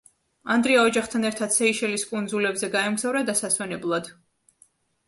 ანდრეა ოჯახთან ერთად სეიშელის კუნძულებზე გაემგზავრა დასასვენებლად.